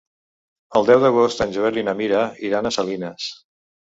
El deu d'agost en Joel i na Mira iran a Salines.